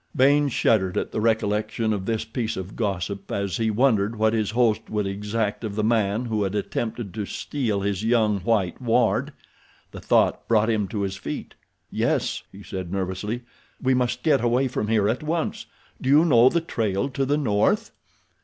Baynes shuddered at the recollection of this piece of gossip as he wondered what his host would exact of the man who had attempted to steal his young, white ward. The thought brought him to his feet. "Yes," he said, nervously, "we must get away from here at once. Do you know the trail to the north?"